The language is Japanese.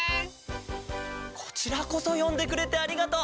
こちらこそよんでくれてありがとう。